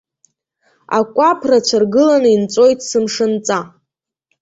Акәаԥ рацәа ргылан инҵәоит сымшынҵа.